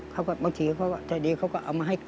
เขาก็บางทีเขาก็เอามาให้